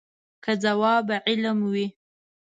که ځواب علم وي.